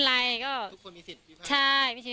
แล้วอันนี้ก็เปิดแล้ว